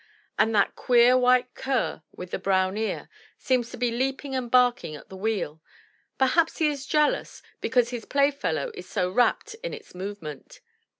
And that queer white cur with the brown ear seems to be leaping and barking at the wheel; perhaps he is jealous because his playfellow is so rapt in its move ment.